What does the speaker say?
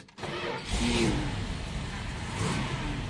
iu